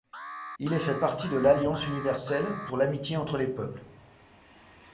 Il est fait partie de l'Alliance universelle pour l'amitié entre les peuples.